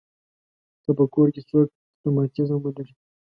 که په کور کې څوک رماتیزم ولري.